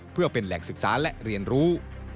เพื่อเป็นแหล่งศึกษาและเรียนรู้